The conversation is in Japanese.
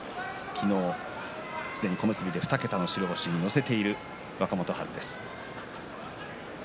昨日すでに小結で２桁の白星に乗せている若元春です。